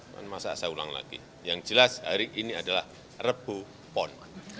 masa saya ulang lagi yang jelas hari ini adalah rebu pon